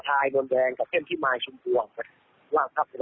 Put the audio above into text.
ตะยักษ์จะเป็นส่วน